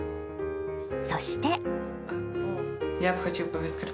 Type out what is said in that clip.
そして。